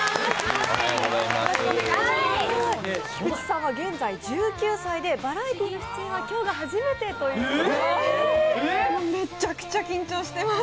菊池さんは現在、１９歳でバラエティーの出演は今日が初めてということです。